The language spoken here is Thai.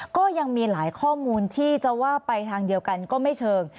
ก็ยังมีหลายข้อมูลที่จะว่าไปทางเดียวกันก็ไม่เชิง